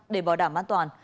để bảo đảm an toàn